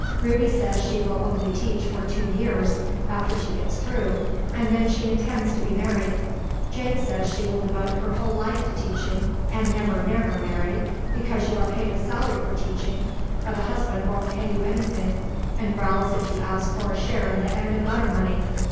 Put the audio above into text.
Ruby says she will only teach for two years after she gets through, and then she intends to be married. Jane says she will devote her whole life to teaching, and never, never marry, because you are paid a salary for teaching, but a husband won't pay you anything, and growls if you ask for a share in the egg and butter money.